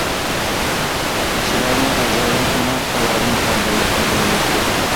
كىشىلەرمۇ ئەزەلدىن ئۇنىڭ قەيەردىن كەلگەنلىكىنى بىلمەيتتى.